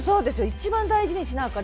一番大事にしなきゃ。